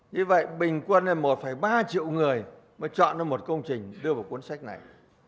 như vậy bình quân một ba triệu người mới chọn ra một công trình đưa vào cuốn sách này